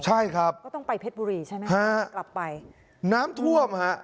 ใช่ครับก็ต้องไปเพชรบุรีใช่ไหมฮะกลับไปน้ำท่วมฮะ